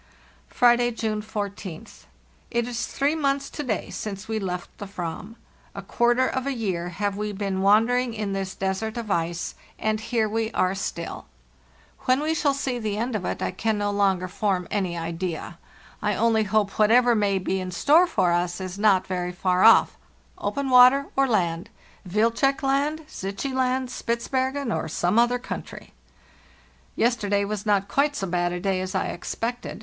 "Friday, June 14th. It is three months to day since we left the "vam. A quarter of a year have we been wandering in this desert of ice, and here we are still. 262 FARTHEST NORTH When we shall see the end of it I can no longer form any idea; I only hope whatever may be in store for us is not very far off, open water or land—Wilczek Land, Zichy Land, Spitzbergen, or some other country. "Yesterday was not quite so bad a day as I expected.